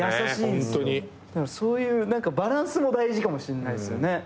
でもそういうバランスも大事かもしんないっすよね。